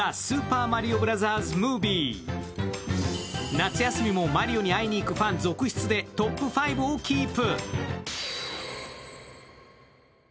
夏休みもマリオに会いにいくファン続出でトップ５をキープ。